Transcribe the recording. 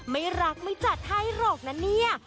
ไม่รักไม่จัดให้หรอกนะเนี่ย